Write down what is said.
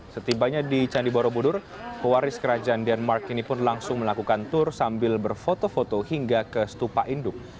setibanya di candi borobudur pewaris kerajaan denmark ini pun langsung melakukan tur sambil berfoto foto hingga ke stupa induk